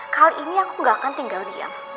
kali ini aku gak akan tinggal diam